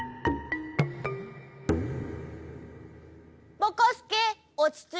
ぼこすけおちついた？